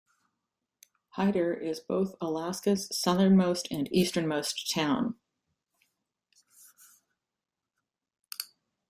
Hyder is both Alaska's southernmost and easternmost town.